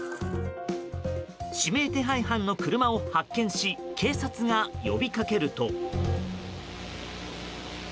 指名手配犯の車を発見し警察が呼びかけると。